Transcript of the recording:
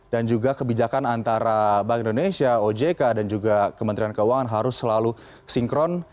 dan juga kebijakan antara bank indonesia ojk dan juga kementerian keuangan harus selalu sinkron